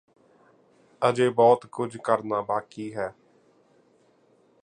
ਅਜੇ ਬਹੁਤ ਕੁਝ ਕਰਨਾ ਬਾਕੀ ਹੈ